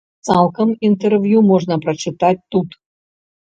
Цалкам інтэрв'ю можна прачытаць тут.